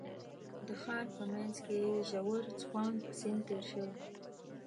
د ښار په منځ کې یې ژور څپاند سیند تېر شوی.